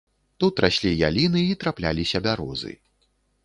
Тут раслі яліны і трапляліся бярозы.